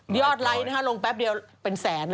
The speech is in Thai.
หึยอดไลค์นะฮะลงแป๊บเดียวเป็นแสน